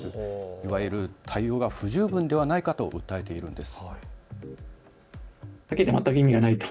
いわゆる対応が不十分ではないかと訴えているんです。